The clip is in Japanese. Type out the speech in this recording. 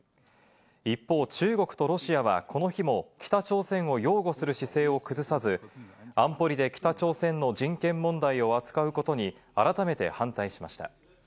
一方、中国とロシアはこの日も北朝鮮を擁護する姿勢を崩さず、安保理で北朝鮮の人権問題を扱うことに改めて反対しました。